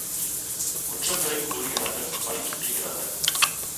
குற்றங்களைக் கூறுகிறார்கள் பழி தூற்றுகிறார்கள்.